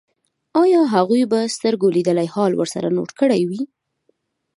ایا هغوی به سترګو لیدلی حال ورسره نوټ کړی وي